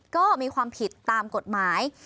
ก็มีความผิดตามกฎหมาย